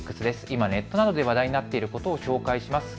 今ネットなどで話題になっていることを紹介します。